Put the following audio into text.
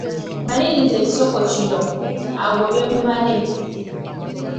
Maliriza ekisoko kino: Agobye bumale....